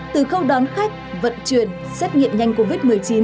từ khâu đón khách vận chuyển xét nghiệm nhanh covid một mươi chín